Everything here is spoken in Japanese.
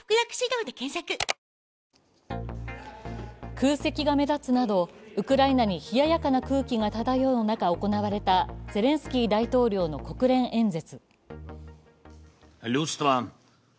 空席が目立つなどウクライナに冷ややかな空気が漂う中行われたゼレンスキー大統領の国連演説。